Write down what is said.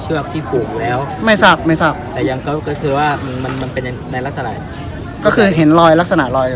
เชือกที่ปลูกแล้วไม่ทราบไม่ทราบแต่ยังก็คือว่ามันเป็นในลักษณะก็คือเห็นรอย